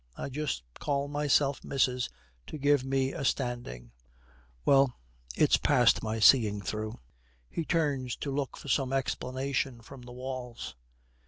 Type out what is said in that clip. I just call myself Missis to give me a standing.' 'Well, it's past my seeing through.' He turns to look for some explanation from the walls.